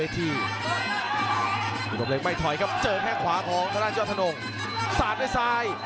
ตีด้วยซ้ายครับตีด้วยซ้าย